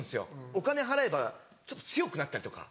お金払えばちょっと強くなったりとか。